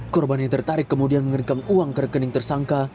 korban yang tertarik kemudian mengerikam uang ke rekening tersangka